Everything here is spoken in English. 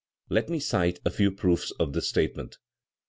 Let me cite a few proofs of this statement.